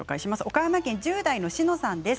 岡山県１０代の方です。